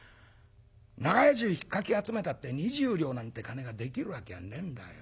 長屋中ひっかき集めたって２０両なんて金ができるわけはねえんだよ。